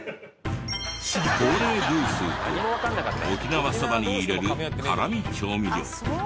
コーレーグースとは沖縄そばに入れる辛味調味料。